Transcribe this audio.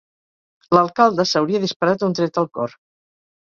L'alcalde s'hauria disparat un tret al cor.